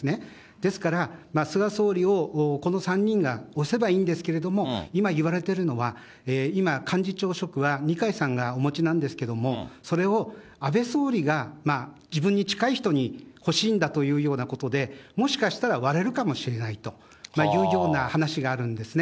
ですから、菅総理をこの３人が推せばいいんですけれども、今言われているのは、今、幹事長職は二階さんがお持ちなんですけれども、それを安倍総理が自分に近い人に欲しいんだというようなことで、もしかしたら割れるかもしれないというような話があるんですね。